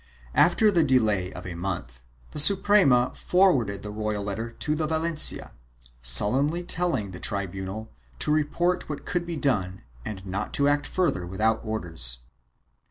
After the delay of a month, the Suprema forwarded the royal letter to Valencia, sullenly telling the tribunal to report what could be done and not to act further without orders.